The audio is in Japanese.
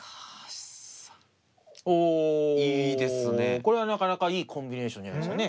これはなかなかいいコンビネーションじゃないですかね。